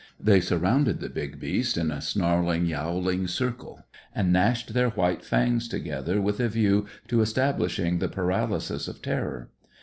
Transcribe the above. They surrounded the big beast in a snarling, yowling circle, and gnashed their white fangs together with a view to establishing the paralysis of terror.